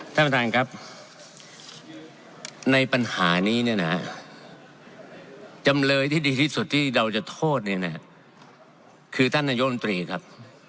ท่านประธานครับในปัญหานี้เนี่ยนะฮะจำเลยที่ดีที่สุดที่เราจะโทษเนี่ยนะฮะคือท่านนายมนตรีครับ